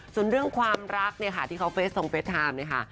ส่วนเรื่องความรักเนี่ยค่ะที่เขาเฟสทรงเฟสไทม์เนี่ยค่ะ